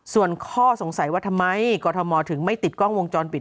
ส่วนข้อสงสัยว่าทำไมกรทมถึงไม่ติดกล้องวงจรปิด